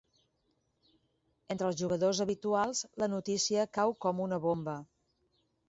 Entre els jugadors habituals la notícia cau com una bomba.